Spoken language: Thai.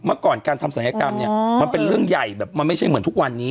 เมื่อก่อนการทำศัลยกรรมเนี่ยมันเป็นเรื่องใหญ่แบบมันไม่ใช่เหมือนทุกวันนี้